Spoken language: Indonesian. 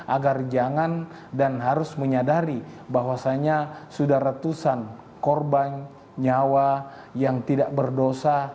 agar jangan dan harus menyadari bahwasannya sudah ratusan korban nyawa yang tidak berdosa